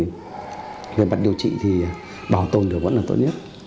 người bạn điều trị thì bảo tồn được vẫn là tốt nhất